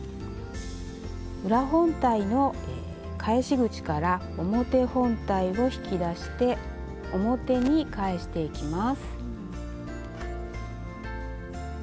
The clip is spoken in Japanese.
裏本体の返し口から表本体を引き出して表に返していきます。